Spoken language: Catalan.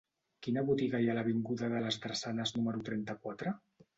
Quina botiga hi ha a l'avinguda de les Drassanes número trenta-quatre?